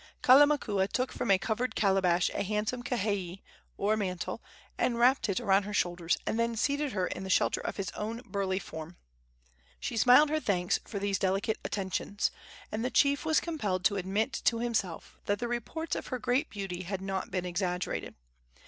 Kalamakua took from a covered calabash a handsome kihei, or mantle, and wrapped it around her shoulders, and then seated her in the shelter of his own burly form. She smiled her thanks for these delicate attentions, and the chief was compelled to admit to himself that the reports of her great beauty had not been exaggerated.